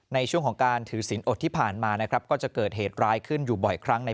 ในช่วงของการถือศิลปที่ผ่านมานะครับก็จะเกิดเหตุร้ายขึ้นอยู่บ่อยครั้งใน